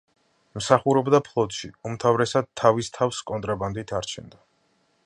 მსახურობდა ფლოტში, უმთავრესად თავის თავს კონტრაბანდით არჩენდა.